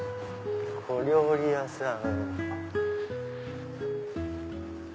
小料理屋さん。